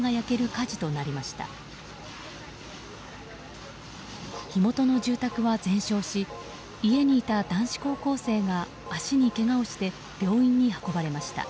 火元の住宅は全焼し家にいた男子高校生が足にけがをして病院に運ばれました。